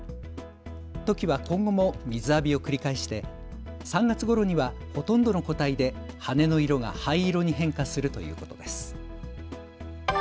トキは今後も水浴びを繰り返して３月ごろにはほとんどの個体で羽の色が灰色に変化するということです。